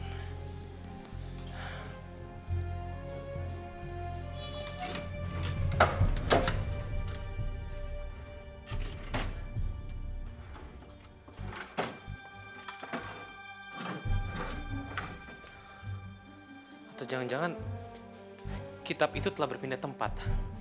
atau jangan jangan kitab itu telah berpindah tempat